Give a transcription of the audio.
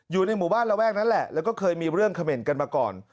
อยู่ในหมู่บ้านระแวกนั้นแหละแล้วก็เคยมีเรื่องเขม่นกันมาก่อน